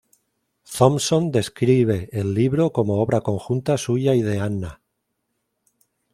Thompson describe el libro como obra conjunta suya y de Anna.